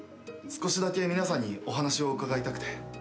少しだけ皆さんにお話を伺いたくて。